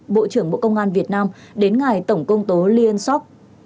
bộ trưởng bộ công an việt nam đến ngài tổng công tố liên xóc